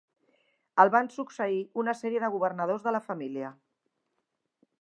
El van succeir una sèrie de governadors de la família.